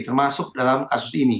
termasuk dalam kasus ini